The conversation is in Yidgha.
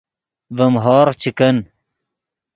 ڤیم ہورغف چے کن